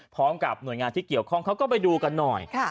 พร้อมกับหน่วยงานที่เกี่ยวข้องเขาก็ไปดูกันหน่อย